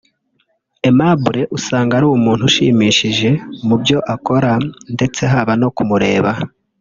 Aimable usanga ari umuntu ushimishije mu byo akora ndetse haba no kumureba